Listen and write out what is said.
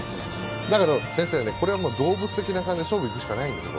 だけど先生ねこれはもう動物的な勘で勝負にいくしかないんですよ